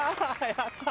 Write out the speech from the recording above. やった！